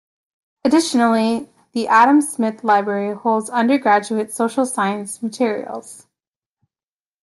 Additionally, the Adam Smith library holds undergraduate social science materials.